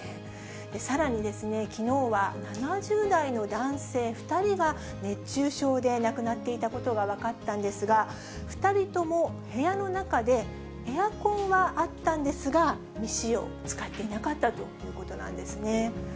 さらにきのうは７０代の男性２人が熱中症で亡くなっていたことが分かったんですが、２人とも部屋の中でエアコンはあったんですが、未使用、使っていなかったということなんですね。